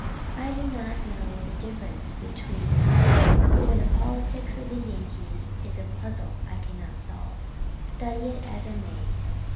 "I do not know the difference between them, for the politics of the Yankees is a puzzle I cannot solve, study it as I may.